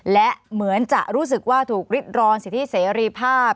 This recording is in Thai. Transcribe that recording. และเหมือนจะรู้สึกว่าถูกริดรอนสิทธิเสรีภาพ